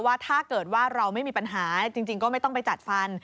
ว่าถ้าเกิดว่าเราไม่มีปัญหาจริงก็ไม่ต้องไปจัดฟัน